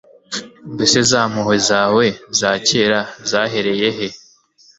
mbese za mpuhwe zawe za kera zahereye he